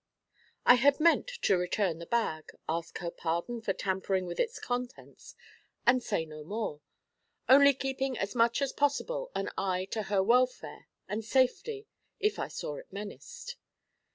I had meant to return the bag, ask her pardon for tampering with its contents, and say no more; only keeping as much as possible an eye to her welfare and safety if I saw it menaced.